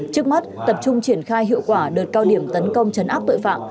trước mắt tập trung triển khai hiệu quả đợt cao điểm tấn công chấn áp tội phạm